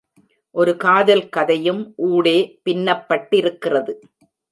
ஒரு காதல் கதையும் ஊடே பின்னப்பட்டிருக்கிறது.